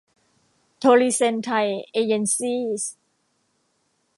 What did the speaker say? โทรีเซนไทย เอเยนต์ซีส์